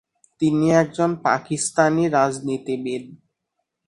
তিনি একজন পাকিস্তানি রাজনীতিবিদ।